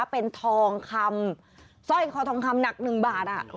เป็นทองคำสร้อยคอทองคำหนัก๑บาท